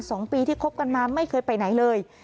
สองปีที่คบกันมาไม่เคยไปไหนเลย